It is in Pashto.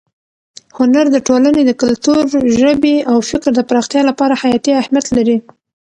هنر د ټولنې د کلتور، ژبې او فکر د پراختیا لپاره حیاتي اهمیت لري.